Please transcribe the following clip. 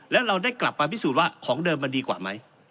แล้วเราได้กลับมาพิสูจน์ว่าของเดิมมันดีกว่าไหม